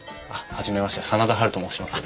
初めまして真田ハルと申します。